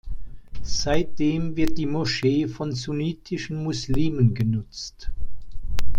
Seitdem wird die Moschee von sunnitischen Muslimen genutzt.